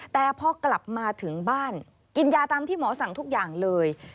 แต่พอกลับมาถึงบ้านกินยาตามที่หมอสั่งทุกอย่างเลย